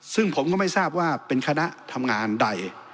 ซึ่งผมก็ไม่ทราบว่าเป็นคณะทำงานใด